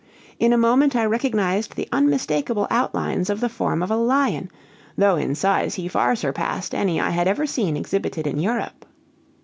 In a moment I recognized the unmistakable outlines of the form of a lion, though in size he far surpassed any I had ever seen exhibited in Europe.